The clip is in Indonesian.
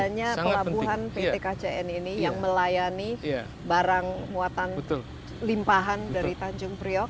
adanya pelabuhan pt kcn ini yang melayani barang muatan limpahan dari tanjung priok